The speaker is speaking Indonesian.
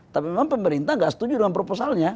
tapi memang pemerintah nggak setuju dengan proposalnya